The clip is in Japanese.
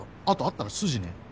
あとあったらすじね。